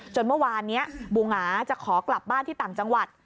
เมื่อวานนี้บูหงาจะขอกลับบ้านที่ต่างจังหวัด